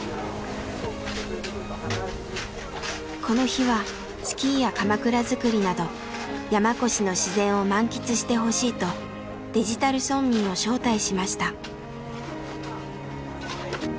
この日はスキーやかまくら作りなど山古志の自然を満喫してほしいとデジタル村民を招待しました。